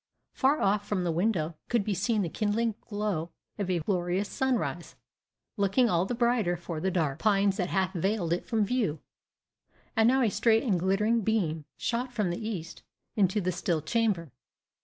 Far off from the window could be seen the kindling glow of a glorious sunrise, looking all the brighter for the dark pines that half veiled it from view; and now a straight and glittering beam shot from the east into the still chamber.